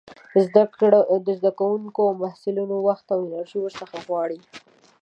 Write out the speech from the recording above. د زده کوونکو او محصلينو وخت او انرژي ورڅخه غواړي.